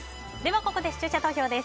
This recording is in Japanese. ここで視聴者投票です。